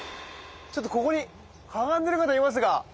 ちょっとここにかがんでる方いますが。